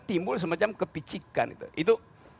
timbul semacam kepicikan itu